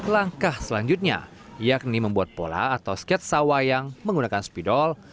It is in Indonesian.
langkah selanjutnya yakni membuat pola atau sketsa wayang menggunakan spidol